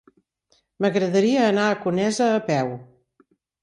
M'agradaria anar a Conesa a peu.